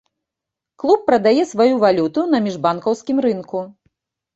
Клуб прадае сваю валюту на міжбанкаўскім рынку.